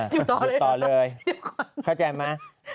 หยุดต่อเลยข้าวใจไหม